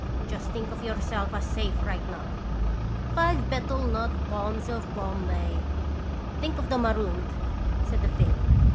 Just think of yourself as safe right among "' Five betel nut palms of Bombay.' "" Think of the marooned," said the Finn.